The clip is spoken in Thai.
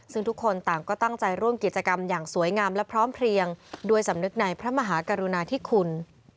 ซึ่งทุกคนต่างก็ตั้งใจร่วมกิจกรรมอย่างสวยงามและพร้อมเพลียงด้วยสำนึกในพระมหากรุณาธิคุณ